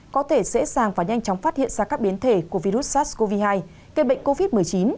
có thể dễ dàng và nhanh chóng phát hiện ra các biến thể của virus sars cov hai gây bệnh covid một mươi chín